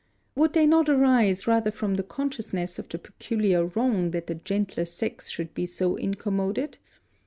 Would they not arise rather from the consciousness of the peculiar wrong that the gentler sex should be so incommoded?